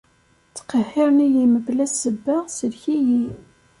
Ttqehhiren-iyi mebla ssebba, sellek-iyi!